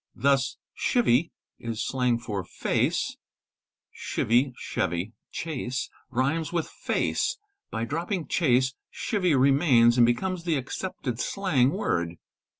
Thus Chivy is slang for face, ''Chivy (Chevy) chase" rhymes with ''face", by dropping "chase" chivy remains, and becomes the accepted slang word.